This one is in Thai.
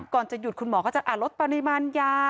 ก่อนจะหยุดคุณหมอก็จะลดปริมาณยา